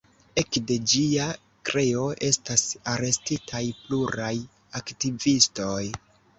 Ekde ĝia kreo estas arestitaj pluraj aktivistoj.